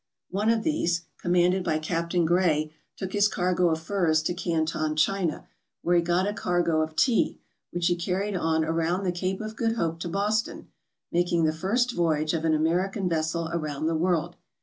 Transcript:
One of these, commanded by Captain Gray, took his cargo of furs to Canton, China, where he got a cargo of tea, which he carried on around the Cape of Good Hope to Boston, making the first voyage of an American vessel around the world.